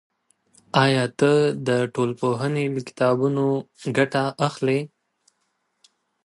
آیا ته د ټولنپوهنې له کتابونو ګټه اخلی؟